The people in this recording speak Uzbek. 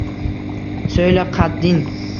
So’yla, qadding